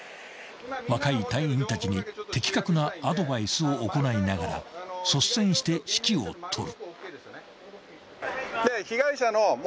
［若い隊員たちに的確なアドバイスを行いながら率先して指揮を執る］